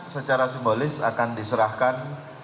secara simbolis akan diserahkan